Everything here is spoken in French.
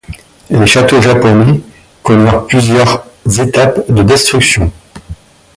Les châteaux japonais connurent plusieurs étapes de destruction.